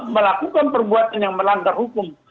melakukan perbuatan yang melanggar hukum